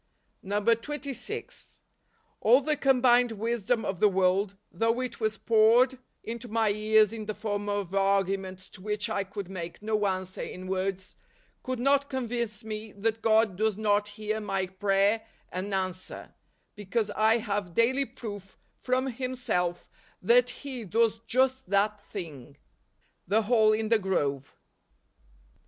NOVEMBER. 133 26. All the combined wisdom of the world, though it was poured into my ears in the form of arguments to which I could make no answer in words, could not con¬ vince me that God does not hear my prayer and answer : because I have daily proof from Himself that He does just that thing. The Hall in the Grove.